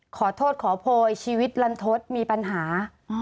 ขอโทษขอโพยชีวิตลันทศมีปัญหา